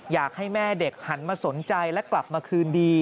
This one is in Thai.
อยากให้แม่เด็กหันมาสนใจและกลับมาคืนดี